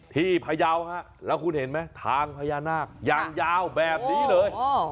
ที่พยาวะครับแล้วคุณเห็นไหมทางพยานาคอย่างยาวแบบนี้เลย